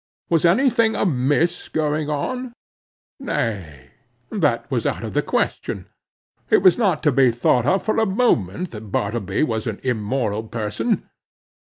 Was any thing amiss going on? Nay, that was out of the question. It was not to be thought of for a moment that Bartleby was an immoral person.